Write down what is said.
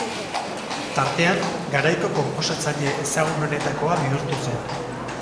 Tartean, garaiko konposatzaile ezagunenetakoa bihurtu zen.